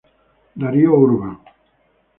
Darío Urban.